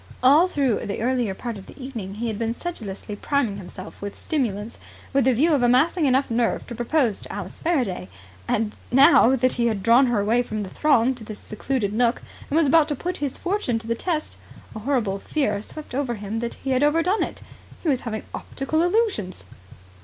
All through the earlier part of the evening he had been sedulously priming himself with stimulants with a view to amassing enough nerve to propose to Alice Faraday: and, now that he had drawn her away from the throng to this secluded nook and was about to put his fortune to the test, a horrible fear swept over him that he had overdone it. He was having optical illusions.